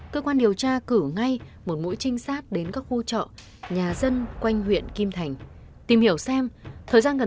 cơ quan điều tra nhận định có khả năng đây là vụ án do thủ tức cá nhân